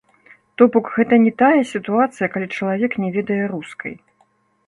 То бок, гэта не тая сітуацыя, калі чалавек не ведае рускай.